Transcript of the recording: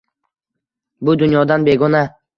Bu dunyodan begona —